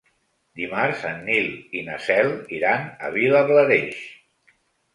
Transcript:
Dimarts en Nil i na Cel iran a Vilablareix.